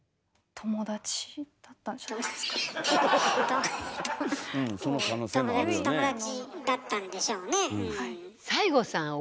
友達友達だったんでしょうね。